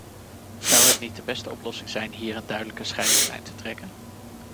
Zou het niet de beste oplossing zijn hier een duidelijke scheidingslijn te trekken?